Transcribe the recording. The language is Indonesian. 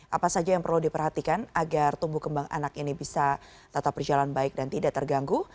apa saja yang perlu diperhatikan agar tumbuh kembang anak ini bisa tetap berjalan baik dan tidak terganggu